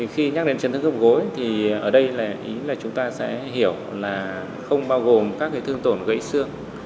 khi nhắc đến chấn thương khớp gối thì ở đây là ý là chúng ta sẽ hiểu là không bao gồm các thương tổn gãy xương